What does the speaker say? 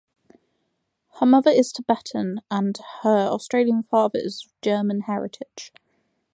Her mother is Tibetan and her Australian father is of German heritage.